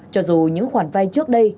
cho dù những khoản vai trước đây